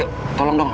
pak ustadz berapa